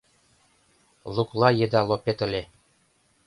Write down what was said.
Лукла еда лопет ыле